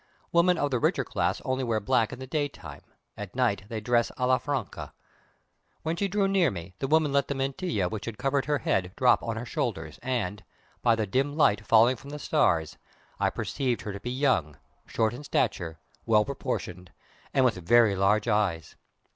Women of the richer class only wear black in the daytime, at night they dress a la francesa. When she drew near me, the woman let the mantilla which had covered her head drop on her shoulders, and "by the dim light falling from the stars" I perceived her to be young, short in stature, well proportioned, and with very large eyes.